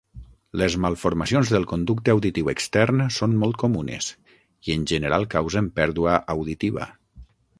Les malformacions del conducte auditiu extern són molt comunes, i en general causen pèrdua auditiva.